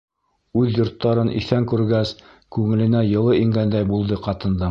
Үҙ йорттарын иҫән күргәс күңеленә йылы ингәндәй булды ҡатындың.